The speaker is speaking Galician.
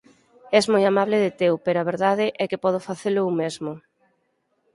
Es moi amable de teu, pero a verdade é que podo facelo eu mesmo.